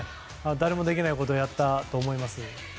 誰もできないことをやったと思います。